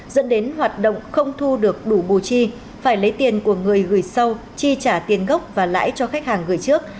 dẫn đến hoạt động không thu được đủ bù chi phải lấy tiền của người gửi sau chi trả tiền gốc và lãi cho khách hàng gửi trước